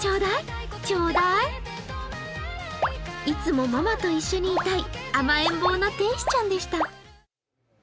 いつもママと一緒にいたい甘えん坊な天使ちゃんでした。